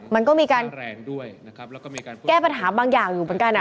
มันก็มีการแก้ปัญหาบางอย่างอยู่เหมือนกันอะ